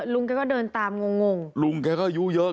ลุงแกก็เดินตามงงงลุงแกก็อายุเยอะ